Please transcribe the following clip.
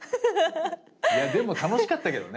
いやでも楽しかったけどね。